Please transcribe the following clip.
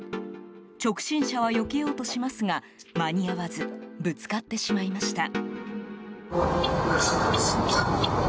直進車はよけようとしますが間に合わずぶつかってしまいました。